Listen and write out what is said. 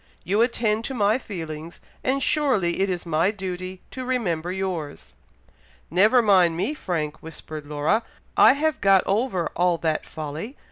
You attend to my feelings, and surely it is my duty to remember yours." "Never mind me, Frank!" whispered Laura. "I have got over all that folly.